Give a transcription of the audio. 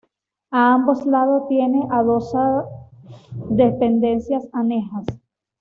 A ambos lados tiene adosadas dependencias anejas.